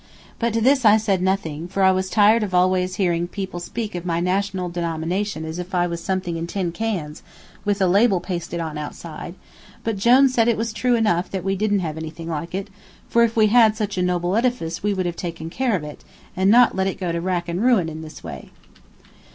But to this I said nothing, for I was tired of always hearing people speak of my national denomination as if I was something in tin cans, with a label pasted on outside; but Jone said it was true enough that we didn't have anything like it, for if we had such a noble edifice we would have taken care of it, and not let it go to rack and ruin in this way.